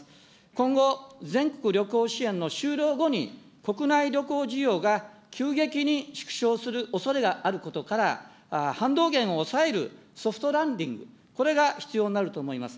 今後、全国旅行支援の終了後に、国内旅行需要が急激に縮小するおそれがあることから、反動減を抑えるソフトランディング、これが必要になると思います。